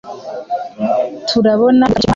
Turabona imodoka nyinshi kumuhanda.